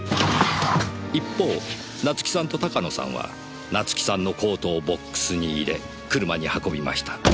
一方夏樹さんと鷹野さんは夏樹さんのコートをボックスに入れ車に運びました。